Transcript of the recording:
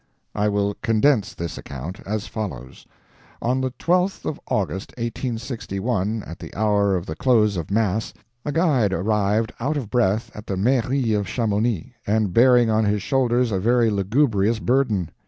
I will condense this account, as follows: On the 12th of August, 1861, at the hour of the close of mass, a guide arrived out of breath at the mairie of Chamonix, and bearing on his shoulders a very lugubrious burden.